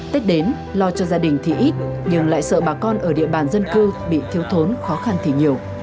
tết đến lo cho gia đình thì ít nhưng lại sợ bà con ở địa bàn dân cư bị thiếu thốn khó khăn thì nhiều